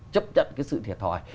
chấp nhận cái sự thiệt hỏi